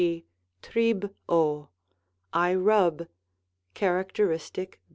g., tqc^ co^ "I rub," characteristic